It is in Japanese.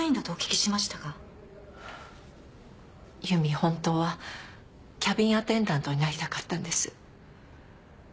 本当はキャビンアテンダントになりたかったんです。